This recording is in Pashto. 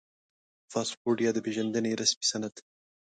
• پاسپورټ یا د پېژندنې رسمي سند